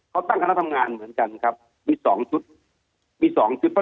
เขาตั้งคณะทำงานเหมือนกันครับมี๒ชุด